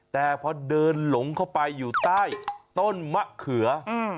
แต่พอเดินหลงเข้าไปอยู่ใต้ต้นมะเขือ